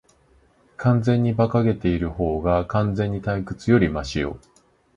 完全に馬鹿げているほうが、完全に退屈よりマシよ。